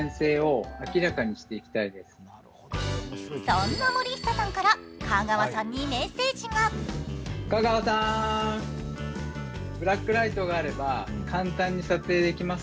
そんな森久さんから香川さんにメッセージが。